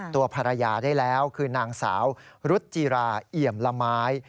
ตัวภรรยาได้แล้วคือนางสาวรุจจีราเอี่ยมละไม้